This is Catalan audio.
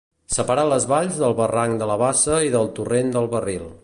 Separa les valls del barranc de la Bassa i del torrent del Barril.